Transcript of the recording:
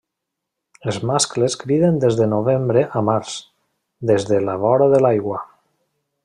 Els mascles criden des de novembre a març, des de la vora de l'aigua.